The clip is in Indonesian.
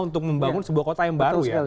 untuk membangun sebuah kota yang baru ya